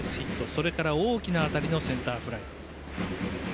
それから大きな当たりのセンターフライ。